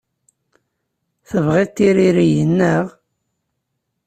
Tebɣiḍ tiririyin, naɣ?